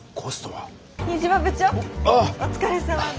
お疲れさまです。